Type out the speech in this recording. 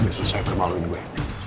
udah selesai permaluin gue